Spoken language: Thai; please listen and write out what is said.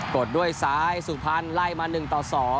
กดด้วยซ้ายสุภัณฑ์ไล่มา๑ต่อ๒